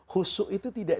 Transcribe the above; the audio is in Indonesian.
husu itu tidak